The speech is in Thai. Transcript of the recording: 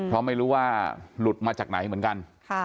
เพราะไม่รู้ว่าหลุดมาจากไหนเหมือนกัน